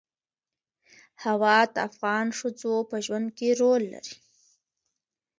هوا د افغان ښځو په ژوند کې رول لري.